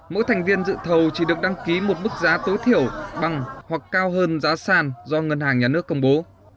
mỗi thành viên dự thầu chỉ được đăng ký một mức giá tối thiểu bằng hoặc cao hơn giá sàn do ngân hàng nhà nước công bố